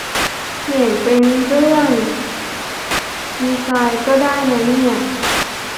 เขียนเป็นเรื่องดีไซน์ก็ได้นะเนี่ย